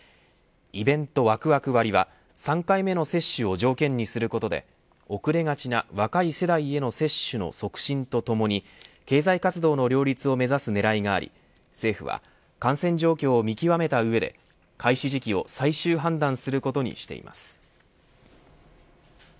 イベントワクワク割は３回目の接種を条件にすることで遅れがちな若い世代への接種の促進とともに経済活動の両立を目指す狙いがあり政府は感染状況を見極めた上で開始時期を最終判断することにしています。